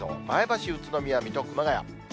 前橋、宇都宮、水戸、熊谷。